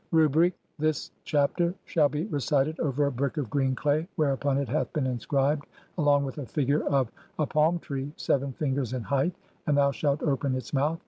Rubric : [this chapter] shall be recited over a brick of green CLAY WHEREUPON IT HATH BEEN INSCRIBED, ALONG WITH A FIGURE (?) OF A (5 1) PALM TREE SEVEN FINGERS IN HEIGHT ; AND THOU SHALT OPEN ITS MOUTH.